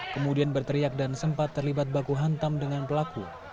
kemudian berteriak dan sempat terlibat baku hantam dengan pelaku